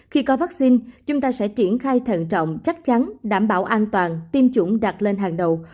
khi có vaccine chúng ta sẽ triển khai thận trọng chắc chắn đảm bảo an toàn tiêm chủng đặt lên hàng đầu